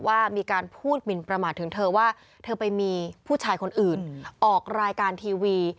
ว่ามีการพูดหมินประมาทถึงเธอว่าเธอไปมีผู้ชายคนอื่นออกรายการทีวี